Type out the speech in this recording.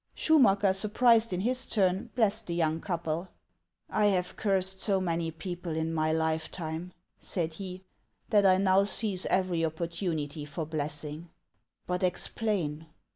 Schumacker, surprised in his turn, blessed the young couple. " I have cursed so many people in my lifetime," said he, " that I now seize every opportunity for blessing. But explain."